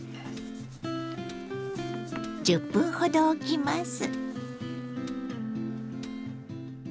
１０分ほどおきます。